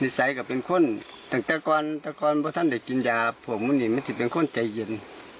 นิสัยจะเป็นคนตั้งแต่ก่อนท่านไม่ได้กินยาพวกมันถือเป็นคนใจเย็น